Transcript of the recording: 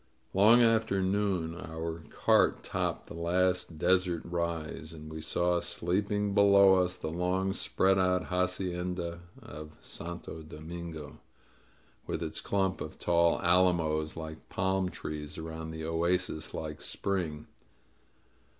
Long after noon our cart topped the last desert rise, and we saw sleeping below us the long spread out ha cienda of Santo Domingo, with its clump of tall alamos like palm trees around the oasis like spring.